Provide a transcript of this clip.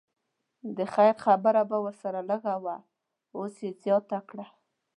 د خیر خبره به ورسره لږه وه اوس یې زیاته کړه.